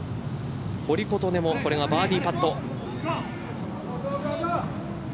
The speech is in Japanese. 堀琴音もこれがバーディーパット。